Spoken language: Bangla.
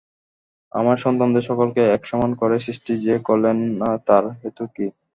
আমার সন্তানদের সকলকে এক সমান করে সৃষ্টি যে করলেন না তার হেতু কি?